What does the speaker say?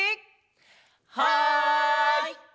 はい！